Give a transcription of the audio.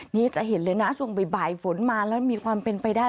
นี่จะเห็นเลยนะช่วงบ่ายฝนมาแล้วมีความเป็นไปได้